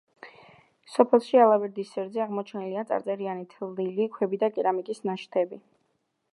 სოფელში, ალავერდის სერზე აღმოჩენილია წარწერიანი თლილი ქვები და კერამიკის ნაშთები.